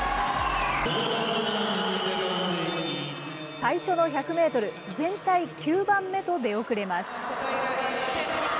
最初の１００メートル、全体９番目と出遅れます。